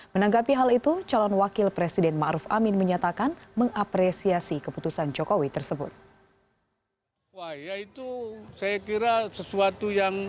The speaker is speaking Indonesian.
menanggapi hal itu calon wakil presiden ma'ruf amin menyatakan mengapresiasi keputusan jokowi tersebut